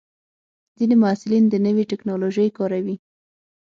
ځینې محصلین د نوې ټکنالوژۍ کاروي.